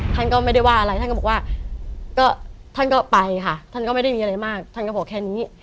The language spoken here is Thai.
ท่านก็ไม่ได้ว่าอะไรท่านก็บอกว่าก็ท่านก็ไปค่ะท่านก็ไม่ได้มีอะไรมากท่านก็บอกแค่นี้